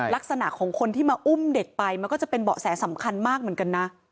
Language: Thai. ลักษณะของคนที่มาอุ้มเด็กไปมันก็จะเป็นเบาะแสสำคัญมากเหมือนกันนะ